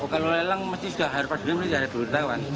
kalau lelang harusnya sudah hari empat juni sudah ada pemberitahuan